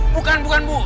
bukan bukan bu